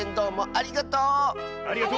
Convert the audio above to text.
ありがとう！